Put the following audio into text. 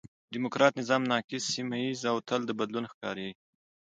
ډيموکراټ نظام ناقص، سمیه ييز او تل د بدلون ښکار یي.